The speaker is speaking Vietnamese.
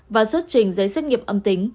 và xuất trình giấy xét nghiệp âm tính